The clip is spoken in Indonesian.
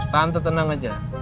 tante tenang aja